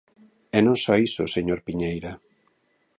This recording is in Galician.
E non só iso, señor Piñeira.